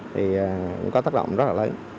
thì có tác động rất là lấy